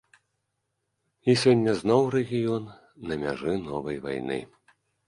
І сёння зноў рэгіён на мяжы новай вайны.